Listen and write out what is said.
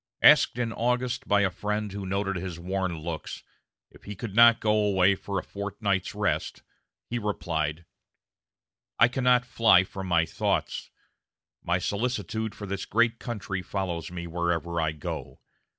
Asked in August by a friend who noted his worn looks, if he could not go away for a fortnight's rest, he replied: "I cannot fly from my thoughts my solicitude for this great country follows me wherever I go.